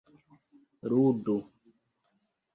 ludu